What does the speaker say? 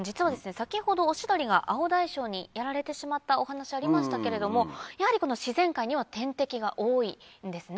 先ほどオシドリがアオダイショウにやられてしまったお話ありましたけれどもやはりこの自然界には天敵が多いんですね。